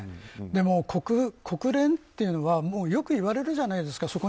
でも、国連というのはよく言われるじゃないですか。